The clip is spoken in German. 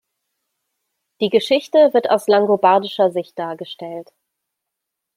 Die Geschichte wird aus langobardischer Sicht dargestellt.